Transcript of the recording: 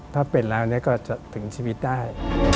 ถ้าเป็นแล้วก็จะถึงชีวิตได้